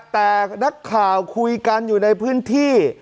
แต่นักข่าวคุยกันอยู่ในพื้นที่